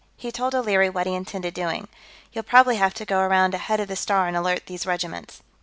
He told O'Leary what he intended doing. "You'll probably have to go around ahead of the Star and alert these regiments.